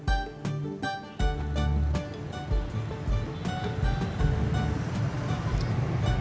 tidak bisa diandalkan